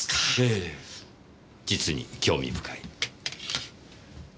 ええ実に興味深い。